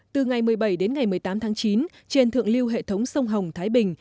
từ ngày một mươi bảy đến ngày một mươi tám tháng chín trên thượng lưu hệ thống sông hồng thái bình